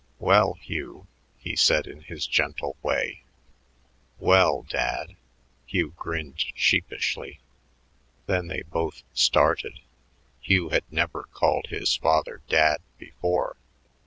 "Well, Hugh," he said in his gentle way. "Well, Dad." Hugh grinned sheepishly. Then they both started; Hugh had never called his father Dad before.